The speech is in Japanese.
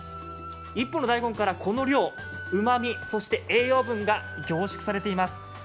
１本の大根からこの量うまみ、栄養分が凝縮されています。